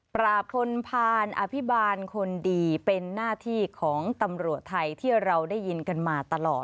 คนพานอภิบาลคนดีเป็นหน้าที่ของตำรวจไทยที่เราได้ยินกันมาตลอด